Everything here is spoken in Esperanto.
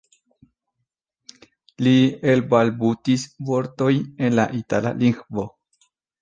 Li elbalbutis vortojn en la itala lingvo.